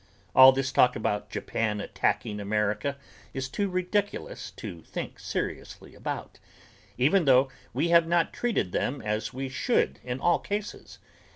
All this talk about Japan attacking America is too ridiculous to think seriously about, even though we have not treated them as we should in all cases.